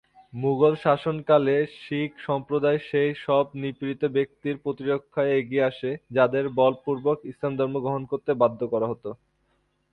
মুঘল শাসনকালে শিখ সম্প্রদায় সেই সব নিপীড়িত ব্যক্তির প্রতিরক্ষায় এগিয়ে আসে, যাঁদের বলপূর্বক ইসলাম ধর্ম গ্রহণ করতে বাধ্য করা হত।